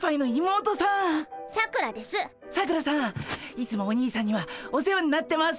いつもお兄さんにはお世話になってます！